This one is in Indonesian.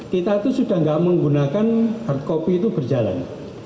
kita itu sudah tidak menggunakan hard copy itu berjalan